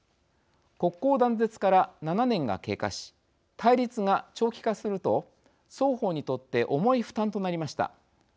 国交断絶から７年が経過し対立が長期化すると双方にとって重い負担となりました。